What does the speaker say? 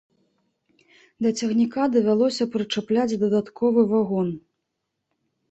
Да цягніка давялося прычапляць дадатковы вагон.